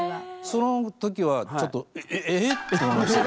そのときはちょっとええって思いました。